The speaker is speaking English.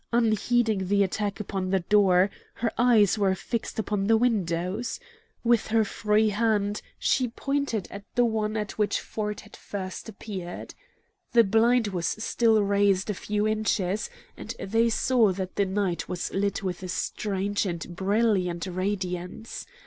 Unheeding the attack upon the door, her eyes were fixed upon the windows. With her free hand she pointed at the one at which Ford had first appeared. The blind was still raised a few inches, and they saw that the night was lit with a strange and brilliant radiance.